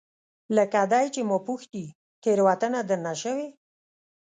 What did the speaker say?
لکه دی چې ما پوښتي، تیروتنه درنه شوې؟